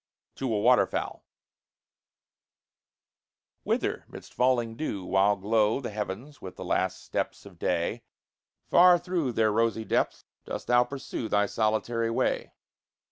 TO A WATERFOWL Whither, 'midst falling dew, While glow the heavens with the last steps of day, Far through their rosy depths dost thou pursue Thy solitary way?